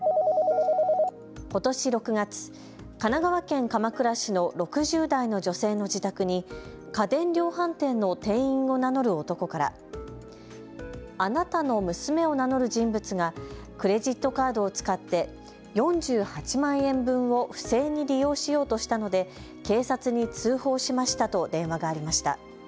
ことし６月、神奈川県鎌倉市の６０代の女性の自宅に家電量販店の店員を名乗る男からあなたの娘を名乗る人物がクレジットカードを使って４８万円分を不正に利用しようとしたので警察に通報しましたと電話がありました。